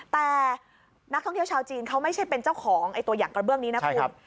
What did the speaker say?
แต่นักท่องเที่ยวชาวจีนเขาไม่ใช่เป็นเจ้าของตัวอย่างกระเบื้องนี้นะคุณ